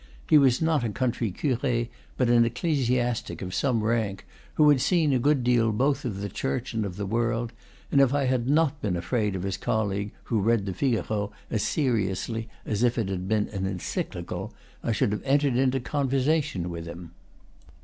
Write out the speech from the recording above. He was not a country cure, but an eccle siastic of some rank, who had seen a good deal both of the church and of the world; and if I too had not been afraid of his colleague, who read the "Figaro" as seriously as if it had been an encyclical, I should have entered into conversation with him.